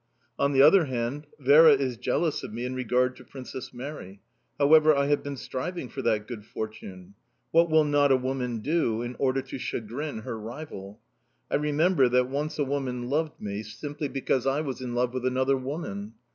On the other hand, Vera is jealous of me in regard to Princess Mary however, I have been striving for that good fortune. What will not a woman do in order to chagrin her rival? I remember that once a woman loved me simply because I was in love with another woman.